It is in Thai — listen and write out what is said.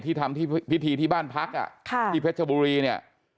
ที่ทำพิธีที่บ้านพลักษณ์นะฮะที่เพชรบุรีเนี่ย